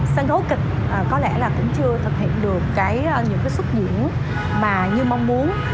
sân khấu kịch có lẽ là cũng chưa thực hiện được những cái xuất diễn mà như mong muốn